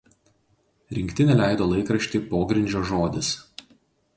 Rinktinė leido laikraštį „Pogrindžio žodis“.